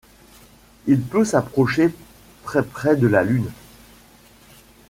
Il peut s’approcher très-près de la Lune